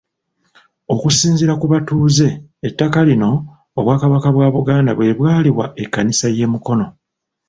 Okusinziira ku batuuze ettaka lino, Obwakabaka bwa Buganda bwe bwaliwa Ekkanisa y'e Mukono.